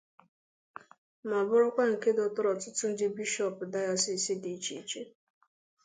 ma bụrkwa nke dọtara ọtụtụ ndị bishọọpụ dayọsiisi dị iche iche